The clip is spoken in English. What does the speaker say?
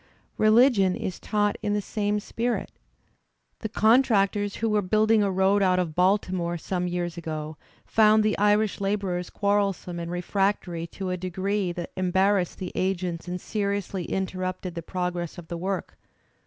Religion is taught in the same spirit. The contractors who were building a road out of Baltimore, some years ago, found the Irish labourers quarrelsome and refractory to a degree that embarrassed the agents and seriously interrupted the prog ress of the work.